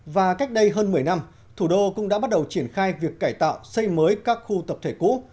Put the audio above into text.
và cách đây hơn một mươi năm thủ đô cũng đã bắt đầu triển khai việc cải tạo xây mới các khu tập thể cũ